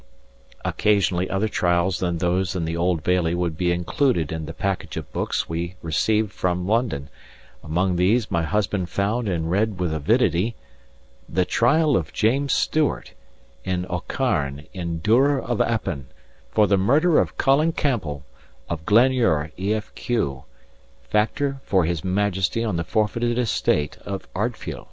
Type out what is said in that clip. Occasionally other trials than those of the Old Bailey would be included in the package of books we received from London; among these my husband found and read with avidity: THE TRIAL OF JAMES STEWART in Aucharn in Duror of Appin FOR THE Murder of COLIN CAMPBELL of Glenure, Efq; Factor for His Majefty on the forfeited Estate of Ardfhiel.